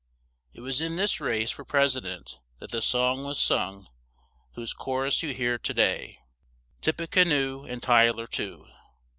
It was in this race for Pres i dent, that the song was sung, whose cho rus you hear to day: "Tip pe ca noe and Ty ler, too."